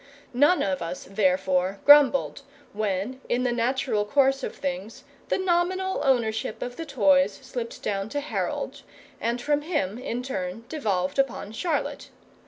None of us, therefore, grumbled when in the natural course of things the nominal ownership of the toys slipped down to Harold, and from him in turn devolved upon Charlotte.